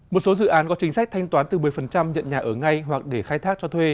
một số dự án có chính sách thanh toán từ một mươi nhận nhà ở ngay hoặc để khai thác cho thuê